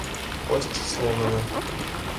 Кость сломана.